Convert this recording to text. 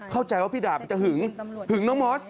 เข้าใจว่าพี่ดาบจะหึงหึงน้องมอส